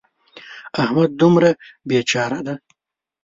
احمد دومره بې چاره دی.